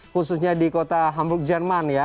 khususnya di kota hamburg jerman ya